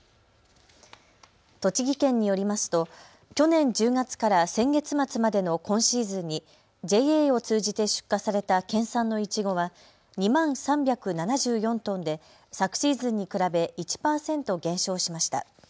栃木県によりますと去年１０月から先月末までの今シーズンにＪＡを通じて出荷された県産のいちごは２万３７４トンで昨シーズンに比べ１％減少しました。